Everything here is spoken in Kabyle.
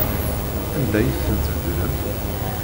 Anda ay ten-tbeddlem?